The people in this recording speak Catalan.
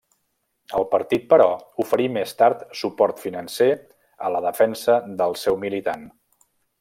El partit, però, oferí més tard suport financer a la defensa del seu militant.